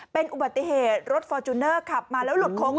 เป็นอุบัติเหตุรถฟอร์จูเนอร์ขับมาแล้วหลุดโค้ง